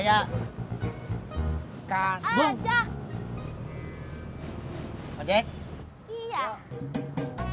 abis banyak dipegang orang orang